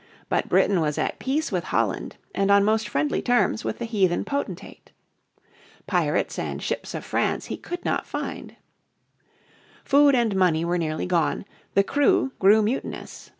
But Britain was at peace with Holland and on most friendly terms with the heathen potentate. Pirates and ships of France he could not find. Food and money were nearly gone, the crew grew mutinous.